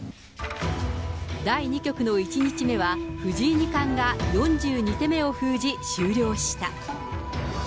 第２局の１日目は、藤井二冠が４２手目を封じ終了した。